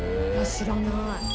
知らない。